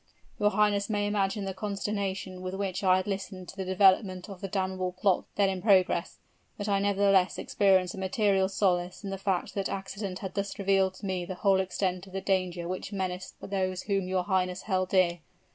"Your highness may imagine the consternation with which I had listened to the development of the damnable plots then in progress; but I nevertheless experienced a material solace in the fact that accident had thus revealed to me the whole extent of the danger which menaced those whom your highness held dear.